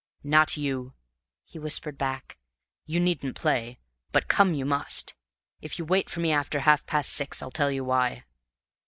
"Not you," he whispered back. "You needn't play, but come you must. If you wait for me after half past six I'll tell you why."